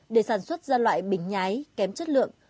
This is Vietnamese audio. để sản xuất ra loại bình nhái kém chất lượng